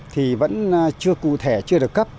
thì vẫn chưa cụ thể chưa được cấp